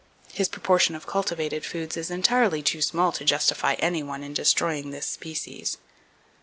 His proportion of cultivated foods is entirely too small to justify any one in destroying this species.